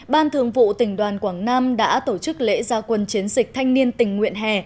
ban thường vụ tỉnh đoàn quảng nam đã tổ chức lễ gia quân chiến dịch thanh niên tình nguyện hè